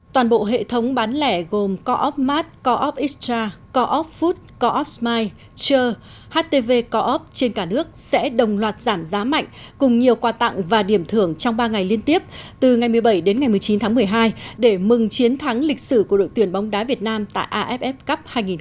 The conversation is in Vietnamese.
toàn bộ hệ thống bán lẻ gồm co op mart co op extra co op food co op smile chur htv co op trên cả nước sẽ đồng loạt giảm giá mạnh cùng nhiều quà tặng và điểm thưởng trong ba ngày liên tiếp từ ngày một mươi bảy đến ngày một mươi chín tháng một mươi hai để mừng chiến thắng lịch sử của đội tuyển bóng đá việt nam tại aff cup hai nghìn một mươi chín